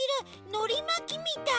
のりまきみたい！